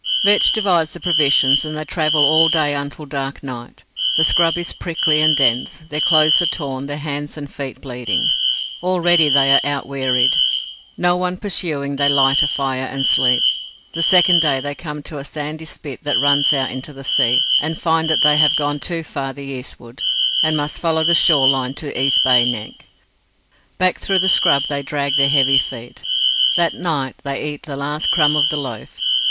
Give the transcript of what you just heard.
Vetch divides the provisions, and they travel all that day until dark night. The scrub is prickly and dense. Their clothes are torn, their hands and feet bleeding. Already they feel out wearied. No one pursuing, they light a fire, and sleep. The second day they come to a sandy spit that runs out into the sea, and find that they have got too far to the eastward, and must follow the shore line to East Bay Neck. Back through the scrub they drag their heavy feet. That night they eat the last crumb of the loaf.